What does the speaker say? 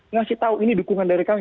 ngasih tahu ini dukungan dari kami